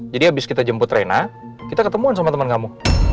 jadi abis kita jemput rena kita ketemuan sama temen kamu